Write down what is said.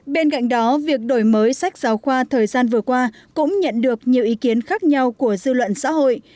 bên cạnh đó việc đổi mới sách giáo khoa thời gian vừa qua cũng nhận được nhiều ý kiến khác nhau của dư luận xã hội